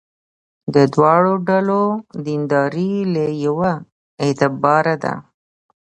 د دواړو ډلو دینداري له یوه اعتباره ده.